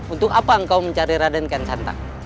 untuk apa engkau mencari rade kian santang